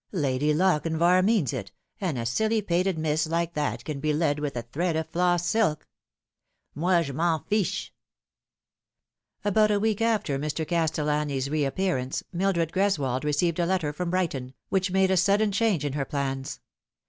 Lady Lochinvar means it, and a silly pated miss like that can be led with a thread of floss silk. Moi je m 1 en fake." About a week after Mr. Castellani's reappearance Mildred Greswold received a letter from Brighton, which made a sudden change in her plans.